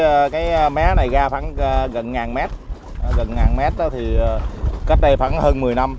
ta cách từ cái mé này ra khoảng gần ngàn mét gần ngàn mét đó thì cách đây khoảng hơn một mươi năm